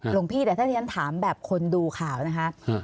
หลวงพี่แต่ถ้าที่ฉันถามแบบคนดูข่าวนะคะ